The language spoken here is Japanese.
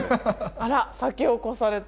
あら先を越された。